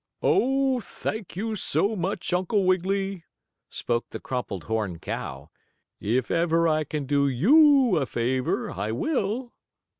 "Oh, thank you so much, Uncle Wiggily," spoke the crumpled horn cow. "If ever I can do you a favor I will."